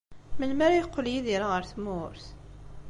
Melmi ara yeqqel Yidir ɣer tmurt?